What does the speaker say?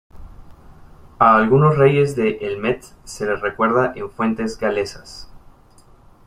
A algunos reyes de Elmet se les recuerda en fuentes galesas.